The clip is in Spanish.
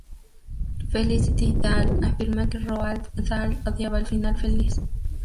Felicity Dahl afirma que Roald Dahl odiaba el final feliz.